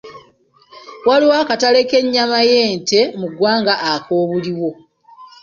Waliwo akatale k'ennyama y'ente mu ggwanga ak'obuliwo.